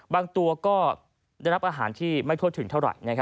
บางตัวก็ได้รับอาหารที่ไม่ทั่วถึงเท่าไหร่